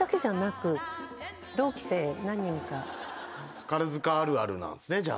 宝塚あるあるなんすね。